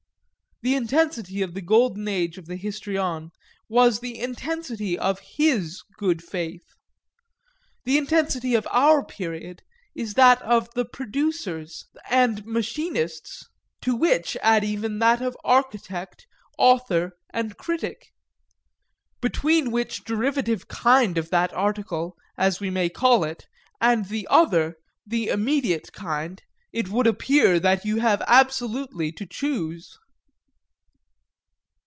The intensity of the golden age of the histrion was the intensity of his good faith. The intensity of our period is that of the "producer's" and machinist's, to which add even that of architect, author and critic. Between which derivative kind of that article, as we may call it, and the other, the immediate kind, it would appear that you have absolutely to choose.